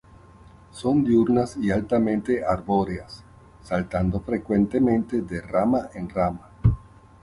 Son diurnas y altamente arbóreas, saltando frecuentemente de rama en rama.